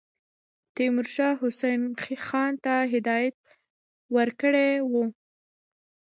تیمورشاه حسین خان ته هدایت ورکړی وو.